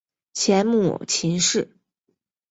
前母秦氏。